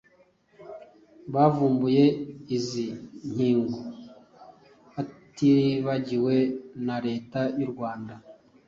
bavumbuye izi nkingo hatibagiwe na Leta y’u Rwanda